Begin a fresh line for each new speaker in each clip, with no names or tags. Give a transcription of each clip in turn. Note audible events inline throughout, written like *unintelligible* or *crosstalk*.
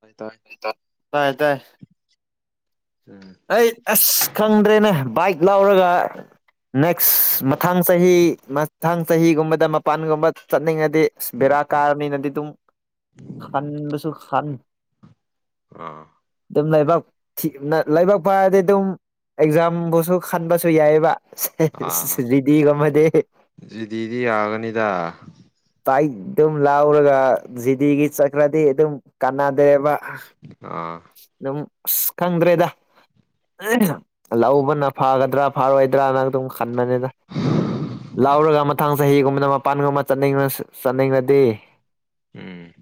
ꯍꯣꯏ ꯇ
ꯇꯥꯏ ꯇꯥꯏ
ꯎꯝ
ꯑꯩ ꯑꯁ ꯈꯪꯗ꯭ꯔꯦꯅꯦ ꯕꯥꯏꯛ ꯂꯥꯎꯔꯒ ꯅꯦꯛꯁ ꯃꯊꯪ ꯆꯍꯤ ꯃ ꯊꯥꯡ ꯆꯍꯤꯒꯨꯝꯕꯗ ꯃꯄꯥꯟꯒꯨꯝꯕ ꯆꯠꯅꯤꯡꯉꯗꯤ ꯑꯁ ꯕꯦꯔꯥ ꯀꯥꯔꯅꯤꯅ ꯑꯗꯨꯝ ꯈꯟꯕꯁꯨ ꯈꯥꯟ
ꯑꯥ
ꯑꯗꯨꯝ ꯂꯩꯕꯛ ꯊꯤꯅ ꯂꯥꯏꯕꯛ ꯐꯥꯔꯗꯤ ꯑꯗꯨꯝ ꯑꯦꯛꯖꯥꯝꯕꯨꯁꯨ ꯈꯟꯕꯁꯨ ꯌꯥꯏꯑꯦꯕ
ꯑꯥ
ꯁꯦꯁ ꯔꯤꯗꯤ ꯒꯨꯝꯕꯗꯤ
ꯖꯤꯗꯤꯗꯤ ꯌꯥꯒꯅꯤꯗ
ꯇꯥꯏꯠ ꯑꯗꯨꯝ ꯂꯥꯎꯔꯒ ꯖꯤꯗꯤꯒꯤ ꯆꯠꯈ꯭ꯔꯗꯤ ꯑꯗꯨꯝ ꯀꯥꯟꯅꯗ꯭ꯔꯦꯕ
ꯑꯥ
ꯑꯗꯨꯝ ꯑꯁ ꯈꯪꯗ꯭ꯔꯦꯗ ꯂꯧꯕꯅ ꯐꯒꯗ꯭ꯔꯥ ꯐꯔꯣꯏꯗ꯭ꯔꯥꯅ ꯑꯗꯨꯝ ꯈꯟꯕꯅꯤꯗ ꯂꯥꯎꯔꯒ ꯃꯊꯥꯡ ꯆꯍꯤꯒꯨꯝꯕꯅ ꯃꯄꯥꯟꯗꯒꯨꯝꯕ ꯆꯠꯅꯤꯡ ꯆꯠꯅꯤꯡꯉꯗꯤ
ꯎꯝ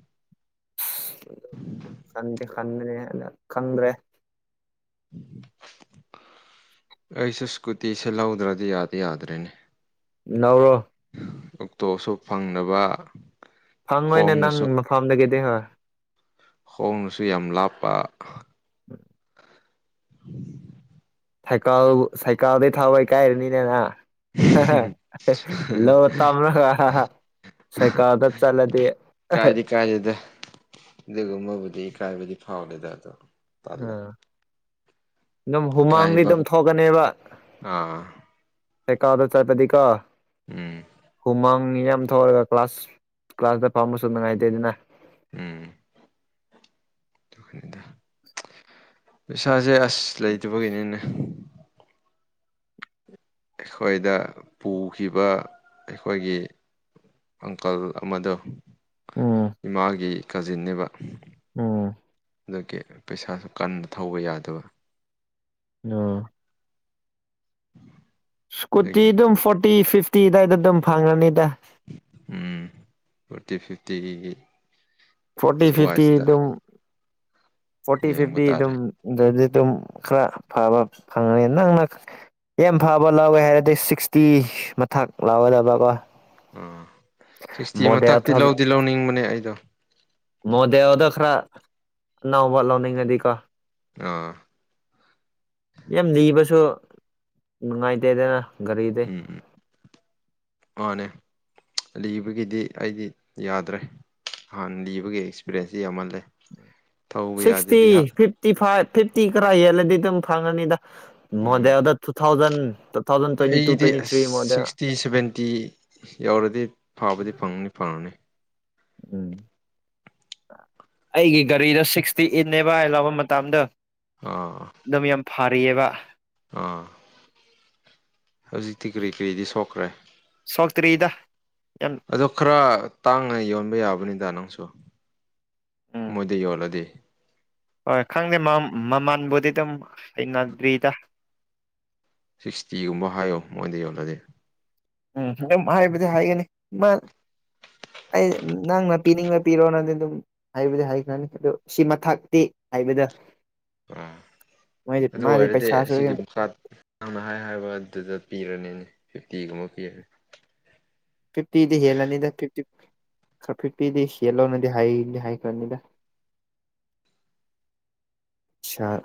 ꯑꯁ ꯈꯟꯗꯦ ꯈꯟ꯭ꯔꯦꯅ ꯈꯟꯗ꯭ꯔꯦ
*unintelligible* ꯑꯩꯁꯨ ꯁ꯭ꯀꯨꯇꯤꯁꯦ ꯂꯧꯗ꯭ꯔꯗꯤ ꯌꯥꯗꯤ ꯌꯥꯗ꯭ꯔꯦꯅꯦ
ꯂꯧꯔꯣ
ꯑꯣꯛꯇꯣꯁꯨ ꯐꯪꯗꯕ
ꯍꯪꯉꯣꯏꯅꯦ ꯅꯪ
ꯈꯣꯡꯅꯁꯨ
ꯃꯐꯝꯗꯒꯤꯗꯤ ꯍꯣꯏ
ꯍꯣꯡꯅꯁꯨ ꯌꯥꯝ ꯂꯥꯞꯄ
ꯍ *unintelligible* ꯁꯥꯏꯀꯜ ꯁꯥꯏꯀꯥꯜꯗꯤ ꯊꯧꯕ ꯏꯀꯥꯏꯔꯅꯤꯅꯦ ꯅꯪ ꯂꯣ ꯇꯧꯔꯒ ꯁꯥꯏꯀꯜꯗ ꯆꯠꯂꯗꯤ
ꯀꯥꯏꯗꯤ ꯀꯥꯏꯗꯦꯗ ꯑꯗꯨꯒꯨꯝꯕꯕꯨꯗꯤ ꯏꯀꯥꯏꯕꯗꯤ ꯐꯥꯎꯗꯦꯗ ꯑꯗꯣ ꯇꯜꯂꯦ
ꯎꯝ ꯑꯗꯨꯝ ꯍꯨꯃꯥꯡꯗꯤ
ꯏꯀꯥꯏꯕ
ꯑꯗꯨꯝ ꯊꯣꯛꯀꯅꯦꯕ
ꯑꯥ
ꯑꯦꯀꯥꯗ ꯆꯠꯄꯗꯤꯀꯣ
ꯎꯝ
ꯍꯨꯃꯥꯡ ꯃꯌꯥꯝ ꯊꯣꯛꯂꯒ ꯀ꯭ꯂꯥꯁ ꯀ꯭ꯂꯥꯁꯇ ꯐꯝꯕꯁꯨ ꯅꯨꯡꯉꯥꯏꯇꯦ ꯑꯗꯨꯅ
ꯎꯝꯗ ꯄꯩꯁꯥꯖꯦ ꯑꯁ ꯂꯩꯇꯕꯒꯤꯅꯦꯅꯦ ꯑꯩꯈꯣꯏꯗ ꯄꯨꯈꯤꯕ ꯑꯩꯈꯣꯏꯒꯤ ꯑꯪꯀꯜ ꯑꯃꯗꯣ
ꯎꯝ
ꯏꯃꯥꯒꯤ ꯀꯖꯤꯟꯅꯦꯕ
ꯎꯝ
ꯑꯗꯨꯒꯤ ꯄꯩꯁꯥꯁꯨ ꯀꯟꯅ ꯊꯧꯕ ꯌꯥꯗꯕ
ꯑ ꯁꯀꯨꯇꯤ
ꯑꯗꯨꯒꯤ
ꯑꯗꯨꯝ ꯐꯣꯔꯇꯤ ꯐꯤꯐꯇꯤ ꯑꯗꯨꯋꯥꯏꯗ ꯑꯗꯨꯝ ꯐꯪꯉꯅꯤꯗ
ꯎꯝ ꯐꯣꯔꯇꯤ ꯐꯤꯐꯇꯤ
ꯐꯣꯔꯇꯤ ꯐꯤꯐꯇꯤ ꯑꯗꯨꯝ ꯐꯣꯔꯇꯤ
ꯌꯦꯡꯕ
ꯐꯤꯞꯇꯤ
ꯇꯥꯔꯦ
ꯑꯗꯨꯝꯗꯤ ꯑꯗꯨꯝ ꯈꯔ ꯐꯕ ꯐꯪꯉꯅꯤ ꯅꯪꯅ ꯌꯥꯝ ꯐꯕ ꯂꯧꯎꯒꯦ ꯍꯥꯏꯔꯗꯤ ꯁꯤꯛꯁꯇꯤ ꯃꯊꯛ ꯂꯧꯒꯗꯕꯀꯣ꯫
ꯑꯥ ꯁꯤꯛꯁꯇꯤ ꯃꯊꯛꯇꯤ
ꯃꯣꯗꯦꯜ
ꯂꯧꯗꯤ ꯂꯧꯅꯤꯡꯕꯅꯦ ꯑꯩꯗꯣ
ꯃꯗꯦꯜꯗ ꯈꯔ ꯅꯅꯥꯎꯕ ꯂꯥꯎꯅꯤꯡ ꯉꯗꯤ ꯀ
ꯑꯥ
ꯌꯥꯝ ꯅꯤꯕꯁꯨ ꯅꯨꯡꯉꯥꯏꯇꯦꯗꯅ ꯒꯥꯔꯤꯗꯤ
ꯎꯝ ꯎꯝ ꯃꯥꯅꯦ ꯂꯤꯕꯒꯤꯗꯤ ꯑꯩꯗꯤ ꯌꯥꯗ꯭ꯔꯦ ꯍꯥꯟꯅ ꯂꯤꯕꯒꯤ ꯑꯦꯛꯁꯄꯤꯔꯦꯟꯁꯇꯤ ꯌꯥꯝꯃꯜꯂꯦ ꯊꯧꯕ
ꯁꯤꯛꯁꯇꯤ
ꯌꯥꯗꯕꯤ ꯍꯥ
ꯐꯤꯐꯇꯤ ꯐꯥꯏꯚ ꯐꯤꯐꯇꯤ ꯈꯔ ꯍꯦꯜꯂꯗꯤ ꯑꯗꯨꯝ ꯐꯪꯉꯅꯤꯗ
ꯎꯝ
ꯃꯣꯗꯦꯜꯗ two thousand two thousand twenty two ꯇ꯭ꯋꯦꯟꯇꯤꯊ꯭ꯔꯤꯃꯨꯛ ꯑꯗ꯭ꯋꯥꯏ
ꯊ꯭ꯔꯤ ꯁꯚꯦꯟꯇꯤ ꯌꯧꯔꯗꯤ ꯐꯥꯕꯗꯤ ꯐꯪꯅꯤ ꯐꯪꯉꯅꯤ
ꯎꯝ ꯑꯩꯒꯤ ꯒꯥꯔꯤꯗ ꯁꯤꯛꯁꯇꯤ ꯏꯠꯅꯦꯕ ꯍꯥꯏ ꯂꯥꯛꯕ ꯃꯇꯝꯗ
ꯑꯥ
ꯅꯝ ꯌꯥꯝ ꯐꯔꯛꯑꯦꯕ
ꯑꯥ ꯍꯧꯖꯤꯛꯇꯤ ꯀꯔꯤ ꯀꯔꯤꯗꯤ ꯁꯣꯛꯈ꯭ꯔꯦ
ꯁꯣꯛ ꯇꯔꯤꯗ꯫
ꯑꯗꯣ ꯈꯔ ꯇꯥꯡꯅ ꯌꯣꯟꯕ ꯌꯥꯕꯅꯤꯗ ꯅꯪꯁꯨ
ꯎꯝ
ꯃꯣꯏꯗ ꯌꯣꯜꯂꯗꯤ꯫
ꯍꯣꯏ ꯈꯪꯗꯦ ꯃꯃꯜꯕꯨꯗꯤ ꯑꯗꯨꯝ ꯍꯩꯅꯗ꯭ꯔꯤꯗ
ꯁꯤꯛꯁꯇꯤꯒꯨꯝꯕ ꯍꯥꯏꯌꯣ ꯃꯣꯏꯗ ꯌꯣꯜꯂꯗꯤ꯫
ꯎꯝ ꯑꯗꯨꯝ ꯍꯥꯏꯕꯗꯤ ꯍꯥꯏꯒꯅꯤ ꯃꯥ ꯑꯩ ꯅꯪꯅ ꯄꯤꯅꯤꯡꯅ ꯄꯤꯔꯣꯅꯗꯤ ꯑꯗꯨꯝ ꯍꯥꯏꯕꯗꯤ ꯍꯥꯏꯈ꯭ꯔꯅꯤ ꯁꯤ ꯃꯊꯛꯇꯤ ꯍꯥꯏꯕꯗꯣ
ꯑꯥ ꯑꯗꯨ
ꯃꯥꯗꯤ
ꯑꯣꯏꯔꯗꯤ
ꯄꯩꯁꯥꯁꯨ
ꯑꯁꯤꯒꯤ ꯃꯈꯥ ꯅꯪꯅ ꯍꯥꯏ ꯍꯥꯏꯕ ꯑꯗꯨꯗ ꯄꯤꯔꯅꯤ ꯐꯤꯞꯇꯤꯒꯨꯝꯕ ꯄꯤꯔ
ꯐꯤꯞꯇꯤꯗꯤ ꯍꯦꯜꯂꯅꯤꯗ ꯐꯤꯞꯇꯤ ꯈꯔ ꯐꯤꯞꯇꯤꯗꯤ ꯍꯦꯜꯂꯧꯅꯗꯤ ꯍꯥꯏꯗꯤ ꯍꯥꯏꯈ꯭ꯔꯅꯤꯗ꯫ ꯁꯥꯔ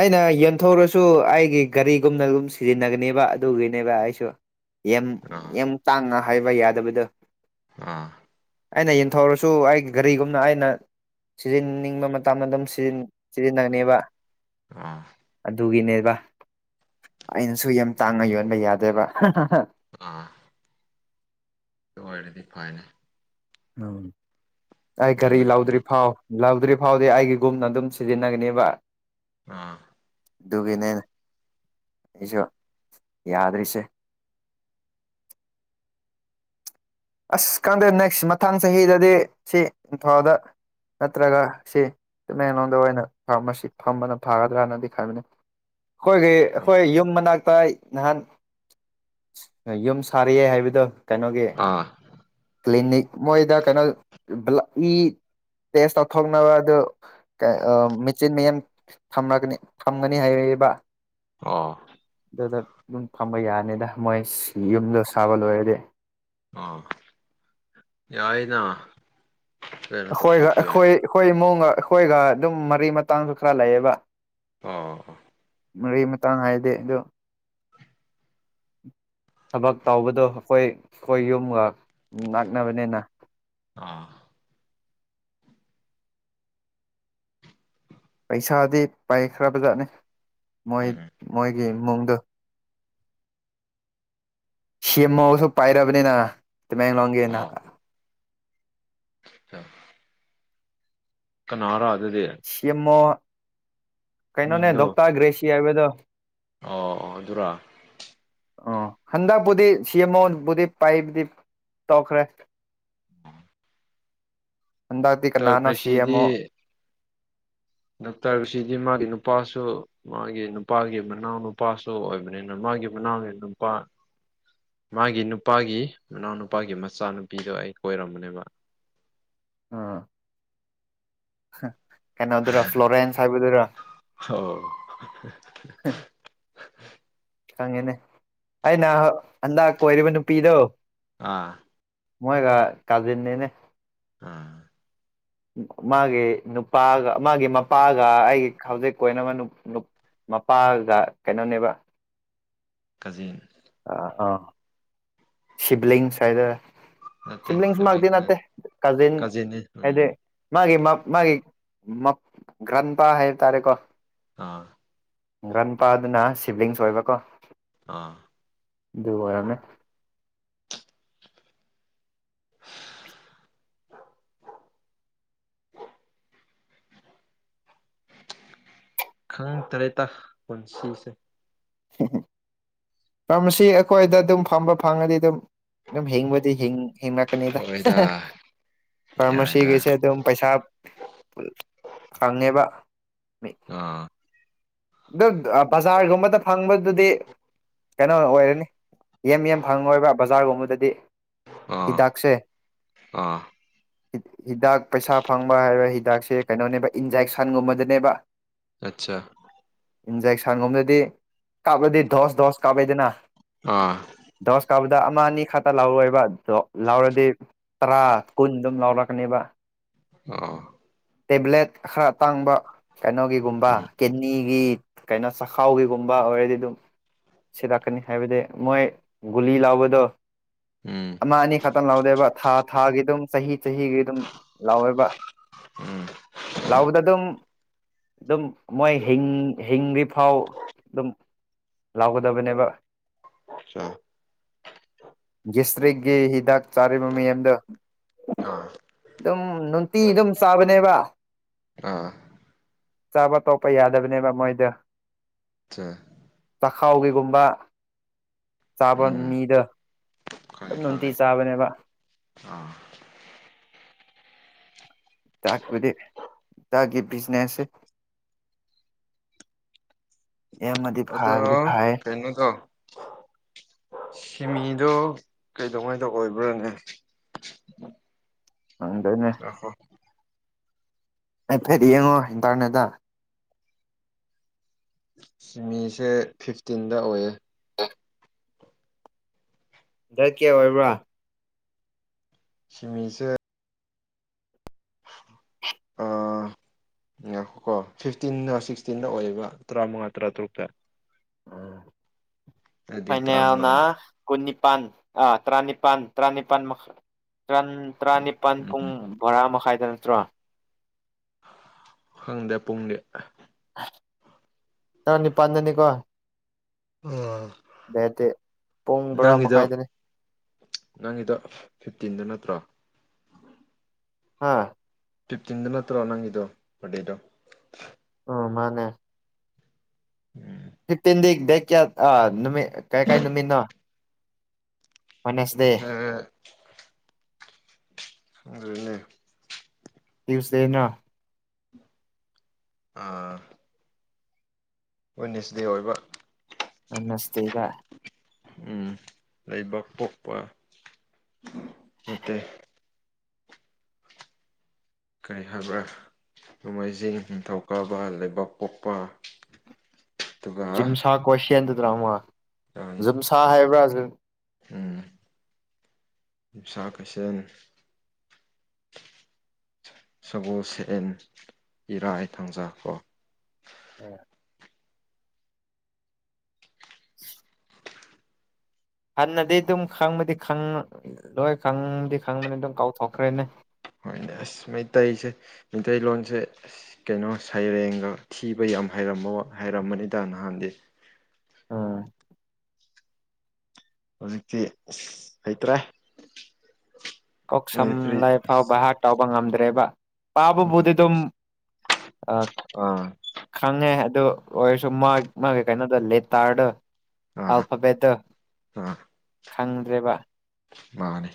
ꯑꯩꯅ ꯌꯦꯟꯊꯊꯧꯔꯁꯨ ꯑꯩꯒꯤ ꯒꯥꯔꯤꯒꯨꯝꯅ ꯑꯗꯨꯝ ꯁꯤꯖꯤꯟꯅꯒꯅꯦꯕ ꯑꯗꯨꯒꯤꯅꯦꯕ ꯑꯩꯁꯨ ꯌꯥꯝ
ꯑꯥ
ꯌꯥꯝ ꯇꯥꯡꯅ ꯍꯥꯏꯕ ꯌꯥꯗꯕꯗꯣ
ꯑꯥ
ꯑꯩꯅ ꯌꯦꯟꯊꯧꯔꯁꯨ ꯑꯩꯒꯤ ꯒꯥꯔꯤꯒꯨꯝꯅ ꯑꯩꯅ ꯁꯤꯖꯤꯟꯅꯅꯤꯡꯕ ꯃꯇꯝꯗ ꯑꯗꯨꯝ ꯁꯤꯖꯤꯟꯅꯅꯦꯕ
ꯑꯥ
ꯑꯗꯨꯒꯤꯅꯦꯕ ꯑꯩꯅꯁꯨ ꯌꯥꯝ ꯇꯥꯡꯉ ꯌꯣꯟꯕ ꯌꯥꯗꯦꯕ
ꯑꯥ ꯑꯗꯨ ꯑꯣꯏꯔꯗꯤ ꯐꯅꯦ
ꯎꯝ ꯑꯩ
ꯑꯗꯨ
ꯒꯥꯔꯤ
ꯅꯠꯇꯕꯤ
ꯂꯥꯎꯗ꯭ꯔꯤ ꯐꯥꯎ ꯂꯧꯗ꯭ꯔꯤ ꯐꯥꯎꯗꯤ ꯑꯩꯒꯤꯒꯨꯝꯅ ꯑꯗꯨꯝ ꯁꯤꯖꯤꯟꯅꯒꯅꯦꯕ
ꯑ
ꯑꯗꯨꯒꯤꯅꯦ ꯑꯩꯁꯨ ꯌꯥꯗ꯭ꯔꯤꯁꯦ ꯑꯁ ꯀꯥꯟꯗꯦ ꯅꯦꯛꯁ ꯃꯊꯥꯡ ꯆꯍꯤꯗꯗꯤ ꯁꯤ ꯏꯝꯐꯗ ꯅꯠꯇ꯭ꯔꯒ ꯁꯤ ꯇꯃꯦꯡꯂꯣꯗ ꯑꯣꯏꯅ ꯐꯥꯔꯃꯥꯁꯤ ꯐꯝꯕꯅ ꯐꯥꯒꯗ꯭ꯔꯅꯗꯤ ꯈꯟꯕꯅꯤ ꯑꯩꯈꯣꯏꯒꯤ ꯑꯩꯈꯣꯏ ꯌꯨꯝ ꯃꯅꯥꯛꯇ ꯅꯍꯥꯟ ꯌꯨꯝ ꯁꯥꯔꯤꯑ ꯍꯥꯏꯕꯗꯣ ꯀꯩꯅꯣꯒꯤ
ꯑꯥ
ꯀ꯭ꯂꯤꯅꯤꯛ ꯃꯣꯏꯗ ꯀꯩꯅꯣ *unintelligible* ꯇꯦꯁ ꯇꯧꯊꯣꯛꯅꯕ ꯑꯗꯨ ꯑ ꯃꯦꯆꯤꯟ ꯃꯌꯥꯟ ꯊꯝꯔꯒꯅꯤ ꯊꯝꯒꯅꯤ ꯍꯥꯏꯔꯛꯏꯕ
ꯑꯥ
ꯑꯗꯨꯗ ꯑꯗꯨꯝ ꯊꯝꯕ ꯌꯥꯅꯤꯗ ꯃꯣꯏ ꯌꯨꯝꯗꯣ ꯁꯥꯕ ꯂꯣꯏꯔꯗꯤ
ꯑꯥ ꯌꯥꯏꯅ ꯀꯩꯅꯣ
ꯑꯩꯈꯣꯏꯒ
ꯇꯧꯊꯣꯛꯄ ꯌꯥꯏ
ꯑꯩꯈꯣꯏ ꯑꯩꯈꯣꯏ ꯏꯃꯨꯡꯒ ꯑꯩꯈꯣꯏꯒ ꯑꯗꯨꯝ ꯃꯔꯤ ꯃꯇꯥꯡꯁꯨ ꯈꯔ ꯂꯩꯌꯦꯕ
ꯑꯥ
ꯃꯔꯤ ꯃꯇꯥꯡ ꯍꯥꯏꯗꯤ ꯑꯗꯨ ꯊꯕꯛ ꯇꯧꯕꯗꯣ ꯑꯩꯈꯣꯏ ꯑꯩꯈꯣꯏ ꯌꯨꯝꯒ ꯅꯛꯅꯕꯅꯤꯅ
ꯑꯥ
ꯄꯩꯁꯥꯗꯤ ꯄꯥꯏꯈ꯭ꯔꯕꯖꯥꯠꯅꯤ ꯃꯣꯏ
ꯎꯝ
ꯃꯣꯏꯒꯤ ꯏꯃꯨꯡꯗꯣ ꯁꯤꯑꯝꯃꯣꯁꯨ ꯄꯥꯏꯔꯕꯅꯤꯅ ꯇꯃꯦꯡꯂꯣꯡꯒꯤꯅ
ꯑ *unintelligible* ꯀꯅꯥꯔꯥ ꯑꯗꯨꯗꯤ
ꯁꯤꯑꯝꯃꯣ ꯀꯩꯅꯣꯅꯦ
ꯃꯤꯡꯗꯣ
ꯗꯣꯛꯇꯔ ꯒ꯭ꯔꯦꯁꯤ ꯍꯥꯏꯕꯗꯣ
ꯑꯣ ꯑꯗꯨꯔꯥ
ꯑꯣ ꯍꯟꯗꯛꯄꯨꯗꯤ ꯁꯤ ꯑꯦꯝꯃꯣꯕꯨꯗꯤ ꯄꯥꯏꯕꯗꯤ ꯇꯧꯈ꯭ꯔꯦ
*unintelligible*
ꯍꯟꯗꯥꯛꯗꯤ
ꯗꯣꯛꯇꯔ
ꯀꯅꯥꯅ ꯁꯤꯑꯝꯃꯣ
ꯗꯥꯛꯇꯔꯁꯤꯗꯤ ꯃꯥꯒꯤ ꯅꯨꯄꯥꯁꯨ ꯃꯥꯒꯤ ꯅꯨꯄꯥꯒꯤ ꯃꯅꯥꯎ ꯅꯨꯄꯥꯁꯨ ꯑꯣꯏꯕꯅꯤꯅ ꯃꯥꯒꯤ ꯃꯅꯥꯎꯒꯤ ꯅꯨꯄꯥ
*inaudible*
ꯃꯥꯒꯤ ꯅꯨꯄꯥꯒꯤ ꯃꯅꯥꯎꯅꯨꯄꯥꯒꯤ ꯃꯆꯥꯅꯨꯄꯤꯗꯣ ꯑꯩ ꯀꯣꯏꯔꯝꯕꯅꯦꯕ
ꯑ ꯀꯩꯅꯣ ꯗꯨ꯭ꯔ ꯐ꯭ꯂꯣꯔꯦꯟꯁ ꯍꯥꯏꯕꯗꯨꯔꯣ
*unintelligible*
*unintelligible* ꯈꯪꯉꯦꯅꯦ ꯑꯩꯅ ꯍꯟꯗꯛ ꯀꯣꯏꯔꯤꯕ ꯅꯨꯄꯤꯗꯣ
ꯑꯥ
ꯃꯣꯏꯒ ꯀꯖꯤꯟꯅꯦꯅꯦ
ꯍꯥꯥ
ꯃꯥꯒꯤ ꯅꯨꯄꯥꯒ ꯃꯥꯒꯤ ꯃꯄꯥꯒ ꯑꯩꯒꯤ ꯍꯧꯖꯤꯛ ꯀꯣꯏꯅꯕ ꯅꯨꯞ ꯃꯄꯥꯒ ꯀꯩꯅꯣꯅꯦꯕ
ꯀꯖꯤꯟ
ꯑ ꯑꯥ ꯁꯤꯕꯂꯤꯡꯁ ꯍꯥꯏꯇꯣꯏꯔ
ꯅꯠꯇꯦ
ꯁꯤꯕꯂꯤꯡꯁꯃꯛꯇꯤ
ꯁꯤꯕ꯭ꯂꯤꯡꯁ
ꯅꯠꯇꯦ
ꯅꯠ
ꯀꯖꯤꯟ
ꯀꯖꯤꯟꯅꯤ ꯎꯝ
ꯍꯥꯏꯗꯤ ꯃꯥꯒꯤ ꯃꯥꯒꯤ ꯃꯞ ꯒ꯭ꯔꯟꯄꯥ ꯍꯥꯏꯕ ꯇꯥꯔꯦꯀꯣ
ꯑꯥ
ꯉ꯭ꯔꯥꯟ ꯄꯥꯗꯨꯅ ꯁꯤꯕ꯭ꯂꯤꯡꯁ ꯑꯣꯏꯕꯀꯣ
ꯑꯥ
ꯑꯗꯨ ꯑꯣꯏꯔꯝꯃꯦ
ꯈꯪ ꯇꯔꯦ ꯇ ꯄꯨꯟꯁꯤꯁꯦ
*unintelligible* ꯐꯥꯔꯃꯥꯁꯤ ꯑꯩꯈꯣꯏꯗ ꯑꯗꯨꯝ ꯐꯝꯕ ꯐꯪꯉꯗꯤ ꯑꯗꯨꯝ ꯑꯗꯨꯝ ꯍꯤꯡꯕꯗꯤ ꯍꯤꯡ ꯍꯤꯡꯂꯛꯀꯅꯤꯗ
ꯍꯣꯏꯗ ꯌꯥꯏꯗ
ꯐꯥꯔꯃꯥꯁꯤꯒꯤꯁꯦ ꯑꯗꯨꯝ ꯄꯩꯁ ꯐꯪꯉꯦꯕ
ꯑ
ꯑꯗꯨ ꯕꯖꯥꯔꯒꯨꯝꯕꯗ ꯐꯪꯕꯗꯨꯗꯤ ꯀꯩꯅꯣ ꯑꯣꯏꯔꯅꯤ ꯌꯦ ꯝ ꯌꯦꯝ ꯐꯪꯉꯣꯏꯕ ꯕꯖꯥꯔꯒꯨꯝꯕꯗꯗꯤ
ꯑꯥ
ꯍꯤꯗꯥꯛꯁꯦ
ꯑꯥ
ꯍꯤꯗꯥꯛ ꯄꯩꯁꯥ ꯐꯪꯕ ꯍꯥꯏꯔ ꯍꯤꯗꯥꯛꯁꯦ ꯀꯩꯅꯣꯅꯦꯕ ꯏꯟꯖꯦꯛꯁꯟꯒꯨꯝꯕꯗꯅꯦꯕ
ꯑꯆꯥ
ꯏꯟꯖꯦꯛꯁꯟꯒꯨꯝꯗꯗꯤ ꯀꯥꯞꯂꯗꯤ ꯗꯣꯁ ꯗꯣꯁ ꯀꯥꯞꯂꯗꯅ
ꯑꯥ
ꯣꯁ ꯀꯥꯎꯕꯗ ꯑꯃ ꯑꯅꯤ ꯈꯛꯇ ꯂꯥꯎꯔꯣꯏꯕ ꯂꯥꯎꯔꯗꯤ ꯇꯔꯥ ꯀꯨꯟ ꯑꯗꯨꯝ ꯂꯧꯥꯎꯔꯛꯀꯅꯦꯕ
ꯑꯣ
ꯇꯦꯕ꯭ꯂꯦꯠ ꯈꯔ ꯑꯇꯥꯡꯕ ꯀꯩꯅꯣꯒꯤꯒꯨꯝꯕ
ꯎꯝ
ꯀꯤꯅꯤ ꯒꯤ ꯀꯩꯅꯣ ꯆꯈꯥꯎꯒꯤꯒꯨꯝꯕ ꯑꯣꯏꯔꯗꯤ ꯑꯗꯨꯝ ꯁꯤ ꯂꯥꯛꯀꯅꯤ ꯍꯥꯏꯕꯗꯤ ꯃꯣꯏ ꯒꯨꯂꯤ ꯂꯥꯎꯕꯗꯣ
ꯎꯝ
ꯑꯃ ꯑꯅꯤ ꯈꯛꯇꯪ ꯂꯧꯗꯦꯕ ꯊꯥ ꯊꯥꯒꯤ ꯑꯗꯨꯝ ꯆꯍꯤ ꯆꯍꯤꯒꯤ ꯑꯗꯨꯝ ꯂꯥꯎꯋꯦꯕ
ꯎꯝ
ꯂꯥꯎꯕꯗ ꯑꯗꯨꯝ ꯑꯗꯨꯝ ꯃꯣꯏ ꯍ ꯍꯤꯡꯗ꯭ꯔꯤꯐꯥꯎ ꯑꯗꯨꯝ ꯂꯥꯎꯒꯗꯕꯅꯦꯕ
ꯑꯆꯥ
ꯁꯇ꯭ꯔꯤꯛꯒꯤ ꯍꯤꯗꯥꯛ ꯆꯥꯔꯤꯕ ꯃꯤ ꯑꯗ
ꯑꯥ
ꯑꯗꯨꯝ ꯅꯨꯡꯇꯤ ꯑꯗꯨꯝ ꯆꯥꯕꯅꯦꯕ
ꯑꯥ
ꯆꯥꯕ ꯇꯣꯄ ꯀꯞꯄ ꯌꯥꯗꯕꯅꯦꯕ ꯃꯣꯏꯗ
ꯑꯆꯥ
ꯆꯈꯥꯎꯒꯤꯒꯨꯝꯕ ꯆꯥꯕ
ꯎꯝ
ꯃꯤꯗ ꯑꯗꯨꯝ
ꯈꯪꯉꯦ ꯈꯪꯉꯦ
ꯅꯨꯡꯇꯤ ꯆꯥꯕꯅꯦꯕ
ꯑꯥ
ꯇꯥꯛꯕꯨꯗꯤ ꯇꯥꯛꯦ ꯖꯅꯦꯁꯦ ꯌꯥꯝꯅꯗꯤ
ꯑꯗꯣ
ꯐꯕꯗꯤ ꯐꯩ
ꯇꯅꯗꯣ ꯁꯤꯃꯤꯗꯣ ꯀꯩꯗꯧꯉꯩꯗ ꯑꯣꯏꯕ꯭ꯔꯥꯅꯦ
ꯗꯅꯦꯦ
ꯉꯥꯏꯈꯣ
ꯑꯦ ꯐꯦꯠ ꯌꯦꯡꯉꯣ ꯏꯟꯇꯔꯅꯦꯠꯇ
ꯁꯤꯃꯤꯁꯦ ꯐꯤꯐꯇꯤꯟꯗ ꯑꯣꯏꯌꯦ
ꯗꯗꯔ ꯀꯦ ꯑꯣꯏꯕ꯭ꯔꯥ
ꯁꯤꯃꯤꯁꯦ
ꯍꯦ
ꯀꯣ ꯐꯤꯐꯇꯤꯟꯅ ꯁꯤꯛꯁꯇꯤꯟꯗ ꯑꯣꯏꯌꯦꯕ ꯇꯔꯥꯃꯉꯥ ꯇꯔꯥꯇꯔꯨꯛꯇ ꯑꯗꯨꯗꯤ
ꯐꯩꯅ ꯌꯥꯅ
ꯇꯔꯥꯃꯉꯥꯗꯤ
ꯀꯨꯟꯅꯤꯄꯥꯟ ꯑꯥ ꯇꯔꯥꯅꯤꯄꯜ ꯇꯔꯥꯅꯤꯄꯥꯜ ꯇꯔꯥꯅꯤꯄꯥꯜ
ꯎꯝ
ꯄꯨꯡ
ꯎꯝ
ꯕꯣꯔꯥ ꯃꯈꯥꯏꯗ ꯅꯠꯇ꯭ꯔꯣ
ꯈꯪꯗꯦ ꯄꯨꯡꯗꯤ
ꯇꯔꯥꯅꯤꯄꯥꯜꯗꯅꯤꯀꯣ
ꯑꯣ
ꯑꯩꯗꯤ ꯄꯨꯡ ꯕꯔꯥ ꯃꯈꯥꯏꯗꯅꯦ
ꯅꯪꯒꯤꯗ ꯐꯤꯞꯇꯤꯟꯗ ꯅꯠꯇ꯭ꯔꯣ
ꯍꯥꯥ
ꯇ꯭ꯔꯤꯞ ꯆꯤꯟꯗꯨꯅꯠꯇ꯭ꯔꯣ ꯅꯪꯤꯗꯣ ꯦꯗꯣ
ꯎ ꯃꯥꯅꯦ
ꯎꯝ
ꯐꯤꯞꯇꯤꯟ ꯗ ꯗꯦꯛ ꯀꯌꯥ ꯑ ꯅꯨꯃꯤꯠ ꯀꯥꯏ ꯀꯥꯏ ꯅꯨꯃꯤꯠꯅꯣ ꯋꯦꯅꯦꯁꯗꯦ
ꯆ *unintelligible* ꯈꯡꯗꯔ‌ꯦꯅꯦ
ꯇꯨꯏꯁꯗꯦꯅ
ꯑꯥ ꯋꯤꯟꯅꯁ ꯗꯦ ꯑꯣꯏꯕ
ꯑꯅꯁꯇꯦꯗ
ꯎꯝ ꯂꯩꯕꯥꯛ ꯄꯣꯛꯄ ꯅꯠꯇꯦ ꯀꯔꯤ ꯍꯥꯏꯕ꯭ꯔꯥ ꯅꯣꯡꯃꯩꯖꯤꯡ ꯅꯤꯡꯊꯧꯀꯥꯕ ꯂꯩꯕꯥꯛ ꯄꯣꯛꯄ ꯇꯨꯒ
ꯖꯤꯝꯁꯥ ꯀꯣꯏꯁꯦꯟꯗꯨꯗ꯭ꯔꯥ ꯑꯥꯎꯃ ꯖꯤꯝꯁꯥ ꯍꯥꯏꯕ꯭ꯔꯥ
ꯎꯝ ꯁꯥ ꯀꯩꯁꯦꯜ ꯁꯒꯣꯜ ꯁꯦꯟ ꯏꯔꯥꯏ ꯊꯥꯡꯖꯥ ꯀꯣ
*inaudible* ꯍꯟꯅꯗꯤ ꯑꯗꯨꯝ ꯈꯪꯕꯗꯤ ꯈꯪꯂꯣꯏ ꯈꯪꯕꯗꯤ ꯈꯪꯕꯅꯤ ꯑꯗꯨꯝ ꯀꯥꯎꯊꯣꯛꯈ꯭ꯔꯦꯅꯦ
ꯍꯣꯏꯅꯦ ꯑꯁ ꯃꯩꯇꯩꯁꯦ ꯃꯩꯇꯩꯂꯣꯟꯁꯦ ꯀꯩꯅꯣ ꯁꯩꯔꯦꯡꯒ ꯊꯤꯕ ꯌꯥꯝ ꯍꯩꯔꯝꯕ ꯍꯩꯔꯝꯕꯅꯤꯗ ꯅꯍꯥꯟꯗꯤ
ꯑ
ꯍꯧꯖꯤꯛꯇꯤ ꯍꯩꯇ꯭ꯔꯦ
ꯀꯣꯛꯁꯝ
ꯃꯅꯤꯄꯨꯔꯤ
ꯂꯥꯏꯐꯥꯎ ꯕꯍꯠ ꯇꯥꯎꯕ ꯉꯝꯗ꯭ꯔꯦꯕ ꯄꯥꯕꯕꯨꯗꯤ ꯑꯗꯨꯝ
ꯑꯥ
ꯈꯪꯉꯦ ꯑꯗꯨ ꯑꯣꯏꯔꯁꯨ ꯃꯥꯒꯤ ꯃꯥꯒꯤ ꯀꯩꯅꯣꯗ ꯂꯦꯇꯥꯔꯗ
ꯑꯥ
ꯑꯜꯐꯥꯕꯦꯠꯇꯣ ꯈꯪꯗ꯭ꯔꯦꯕ
ꯃꯥꯅꯦ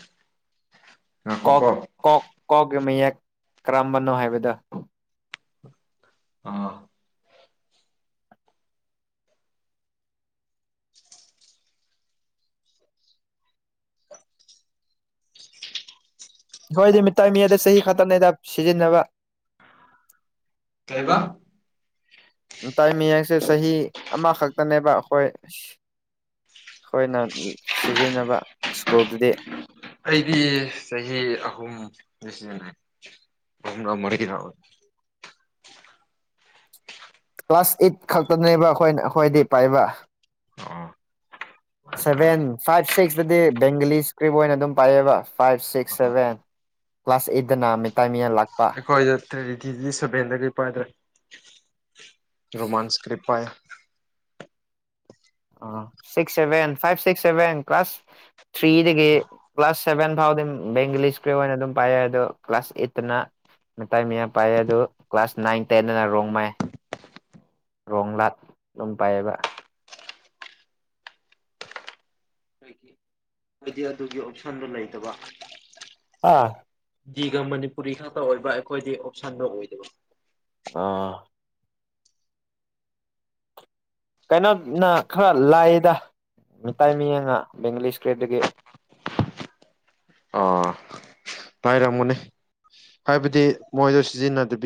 ꯀꯣꯛ ꯀꯣꯛ ꯀꯣꯛꯒꯤ ꯃꯌꯦꯛ ꯀꯔꯝꯕꯅꯣ ꯍꯥꯏꯕꯗꯣ
ꯑ
ꯍꯣꯏꯗꯤ ꯃꯤꯠꯇꯩ ꯃꯤꯌꯦꯗ ꯆꯍꯤ ꯈꯛꯇꯅꯦꯗ ꯁꯤꯖꯤꯟꯅꯕ
ꯀꯩꯕ
ꯃꯤꯇꯩ ꯃꯌꯥꯛꯁꯦ ꯆꯍꯤ ꯑꯃꯈꯛꯇꯅꯦꯕ ꯑꯩꯈꯣꯏ ꯑꯩꯈꯣꯏꯅ ꯁꯤꯖꯤꯟꯅꯕ ꯁ꯭ꯀꯨꯜꯗꯨꯗꯤ
ꯑꯩꯗꯤ ꯆꯍꯤ ꯑꯍꯨꯝ ꯁꯤꯖꯤꯟꯅꯩ ꯑꯍꯨꯝꯔꯥ ꯃꯔꯤꯔꯥ
ꯀ꯭ꯂꯥꯁ ꯑꯩꯠ ꯈꯛꯇꯅꯦꯕ ꯑꯩꯈꯣꯏ ꯑꯩꯈꯣꯏꯗꯤ ꯄꯥꯏꯕ
ꯑ
*inaudible* ꯁꯚꯦꯟ ꯐꯥꯏꯚ ꯁꯤꯛꯁꯇꯗꯤ ꯕꯦꯡꯒꯂꯤ ꯏꯁꯀ꯭ꯔꯤꯞ ꯑꯣꯏꯅ ꯑꯗꯨꯝ ꯄꯥꯏꯑꯕ ꯐꯥꯏꯚ ꯁꯤꯛꯁ ꯁꯚꯦꯟ ꯀ꯭ꯂꯥꯁ ꯑꯩꯠꯇꯅ ꯃꯤꯇꯩ ꯃꯤꯌꯦꯜ ꯂꯥꯛ
ꯑꯩꯈꯣꯏꯗ ꯇꯦꯔꯤꯇꯤꯗꯤ ꯁꯚꯦꯟꯗꯒꯤ ꯄꯥꯏꯗ꯭ꯔꯦ ꯔꯣꯃꯥꯟ ꯏꯁꯀ꯭ꯔꯤꯞ ꯄꯥꯏꯌꯦ
ꯑꯣ six seven five six seven class ꯊ꯭ꯔꯤꯗꯒꯤ ꯀ꯭ꯂꯥꯁ ꯁꯦꯚꯦꯟ ꯐꯥꯎꯗꯤꯝ ꯕꯦꯡꯒꯂꯤꯁꯀꯤ ꯑꯣꯏꯅ ꯑꯗꯨꯝ ꯄꯥꯏ ꯑꯗꯣ ꯀ꯭ꯂꯥꯁ ꯑꯩꯠꯇꯅ ꯃꯤꯇꯩ ꯃꯌꯦ ꯄꯥꯏ ꯑꯗꯨ ꯀ꯭ꯂꯥꯁ ꯅꯥꯏꯟ ꯇꯦꯟꯗꯅ ꯔꯣꯡ ꯃꯥꯏ ꯔꯣꯡ ꯂꯥꯠ ꯑꯗꯨꯝ ꯄꯥꯏꯑꯕ
ꯑꯩꯒꯤ ꯍꯥꯏꯗꯤ ꯑꯗꯨꯒꯤ ꯑꯣꯞꯁꯟꯗꯨ ꯂꯩꯇꯕ
ꯑꯥ
ꯖꯤꯒ ꯃꯅꯤꯄꯨꯔꯤ ꯈꯛꯇ ꯑꯣꯏꯕ ꯑꯩꯈꯣꯏꯗꯤ ꯑꯣꯞꯁꯟꯗꯣ ꯑꯣꯏꯗꯕ
ꯑꯣ ꯀꯩꯅꯣꯅ ꯈꯔ ꯂꯥꯏꯌꯦꯗ ꯃꯤꯇꯩ ꯃꯤꯠꯌꯦꯡꯅ ꯕꯦꯡꯒꯂꯤ ꯏꯁꯀ꯭ꯔꯤꯞꯇꯒꯤ
ꯑꯣꯥ ꯄꯥꯏꯔꯝꯒꯅꯤ ꯍꯥꯏꯕꯗꯤ ꯃꯣꯏꯗꯣ ꯁꯤꯖꯤꯟꯅꯗꯕꯤ